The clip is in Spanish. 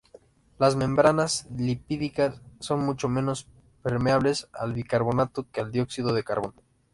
Las membranas lipídicas son mucho menos permeables al bicarbonato que al dióxido de carbono.